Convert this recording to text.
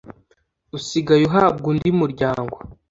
usigaye uhabwa undi muryango